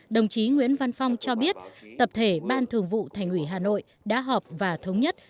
đồng chí nguyễn văn phong cho biết tập thể ban thường vụ thành ủy hà nội đã họp và thống nhất